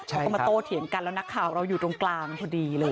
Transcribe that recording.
เขาก็มาโต้เถียงกันแล้วนักข่าวเราอยู่ตรงกลางพอดีเลย